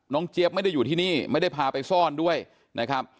เจี๊ยบไม่ได้อยู่ที่นี่ไม่ได้พาไปซ่อนด้วยนะครับ